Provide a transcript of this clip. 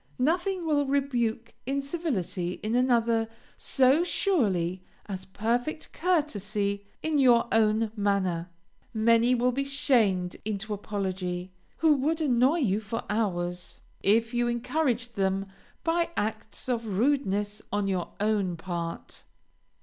Nothing will rebuke incivility in another so surely as perfect courtesy in your own manner. Many will be shamed into apology, who would annoy you for hours, if you encouraged them by acts of rudeness on your own part.